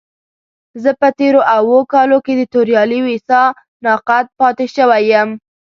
زه په تېرو اوو کالو کې د توريالي ويسا ناقد پاتې شوی يم.